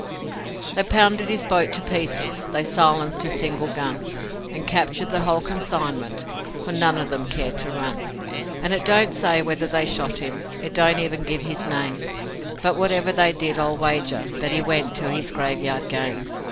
They pounded his boat to pieces, they silenced his single gun, And captured the whole consignment, for none of 'em cared to run; And it don't say whether they shot him it don't even give his name But whatever they did I'll wager that he went to his graveyard game.